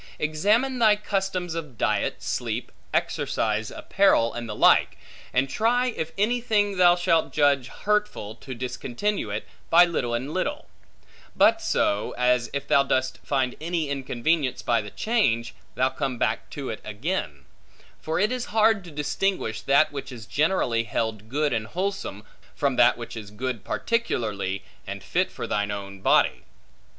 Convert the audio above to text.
Examine thy customs of diet, sleep, exercise, apparel, and the like; and try, in any thing thou shalt judge hurtful, to discontinue it, by little and little; but so, as if thou dost find any inconvenience by the change, thou come back to it again: for it is hard to distinguish that which is generally held good and wholesome, from that which is good particularly, and fit for thine own body.